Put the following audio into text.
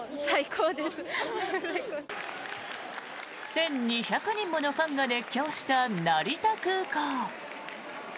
１２００ものファンが熱狂した成田空港。